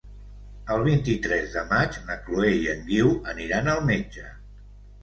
El vint-i-tres de maig na Chloé i en Guiu aniran al metge.